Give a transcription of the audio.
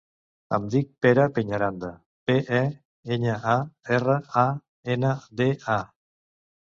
Em dic Pere Peñaranda: pe, e, enya, a, erra, a, ena, de, a.